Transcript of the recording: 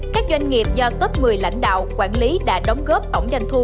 các doanh nghiệp do tớp một mươi lãnh đạo quản lý đã đóng góp tổng giành thu